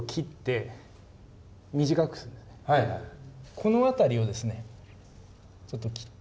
この辺りをですねちょっと切って。